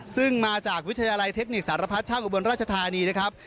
ซึ่งมาจากวิทยาลัยเทคนิคสารพัดช่างอุบลราชธานีนะครับ